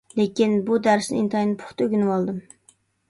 لېكىن، بۇ دەرسنى ئىنتايىن پۇختا ئۆگىنىۋالدىم.